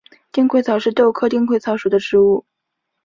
丁癸草是豆科丁癸草属的植物。